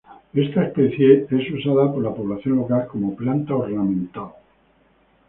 Esta especie es usada por la población local como planta ornamental.